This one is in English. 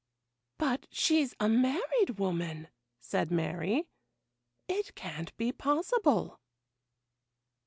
'But she's a married woman,' said Mary; 'it can't be possible!